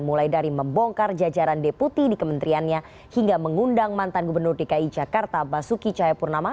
mulai dari membongkar jajaran deputi di kementeriannya hingga mengundang mantan gubernur dki jakarta basuki cahayapurnama